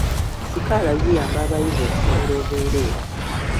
Sikaala ziyamba abayizi okusomera obwereere.